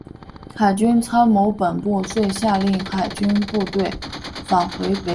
海军参谋本部遂下令海军部队返回北海。